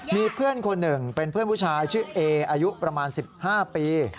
มีเพื่อนคนหนึ่งเป็นเพื่อนผู้ชายชื่อเออายุประมาณ๑๕ปี